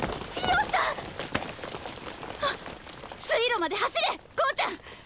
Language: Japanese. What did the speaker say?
⁉水路まで走れ向ちゃん！